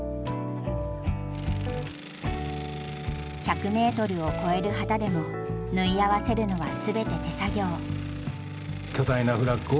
１００ｍを超える旗でも縫い合わせるのは全て手作業。